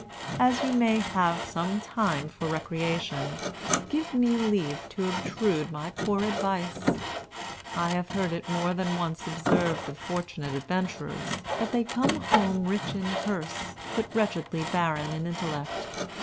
As you may have some time for recreation, give me leave to obtrude my poor advice. I have heard it more than once observed of fortunate adventurers, that they come home rich in purse, but wretchedly barren in intellect.